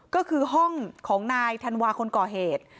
ก็คือห้องของนายธันวาคนก่อเหตุ